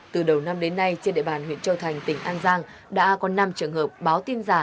từ đầu năm đến nay trên địa bàn huyện châu thành tỉnh an giang đã có năm trường hợp báo tin giả